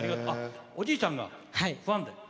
おじいちゃんがファンで？